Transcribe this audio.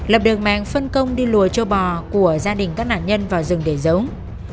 lập được mạng phân công đi lùa cho bò của gia đình các nạn nhân vào rừng để giống